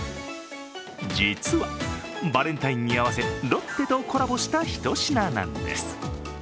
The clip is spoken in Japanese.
実は、バレンタインに合わせロッテとコラボしたひと品なんです。